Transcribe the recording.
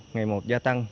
ngày một gia tăng